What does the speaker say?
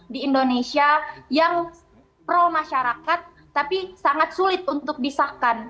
di indonesia yang pro masyarakat tapi sangat sulit untuk disahkan